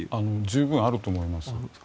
十分あると思います。